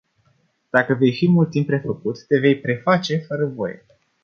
Dacă vei fi mult timp prefăcut, te vei preface fără voie.